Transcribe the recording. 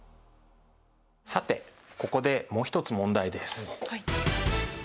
さてここでもう一つ問題です。